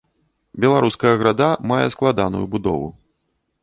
Беларуская града мае складаную будову.